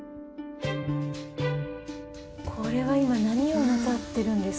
これは今何をなさってるんですか？